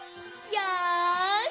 よし！